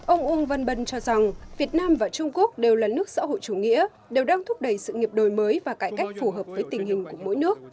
ông uông văn bân cho rằng việt nam và trung quốc đều là nước xã hội chủ nghĩa đều đang thúc đẩy sự nghiệp đổi mới và cải cách phù hợp với tình hình của mỗi nước